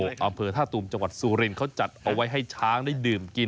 อำเภอท่าตูมจังหวัดสุรินเขาจัดเอาไว้ให้ช้างได้ดื่มกิน